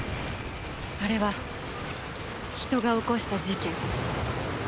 あれは人が起こした事件。